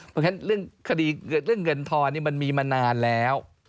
เพราะฉะนั้นเรื่องคดีเรื่องเงินทอนมันมีมานานแล้ว